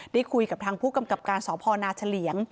ได้คุยกับทางผู้กำกับการสพนาเฉลี่ยง